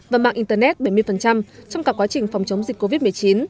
và mạng internet bảy mươi trong cả quá trình phòng chống dịch covid một mươi chín